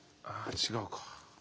あ違うか。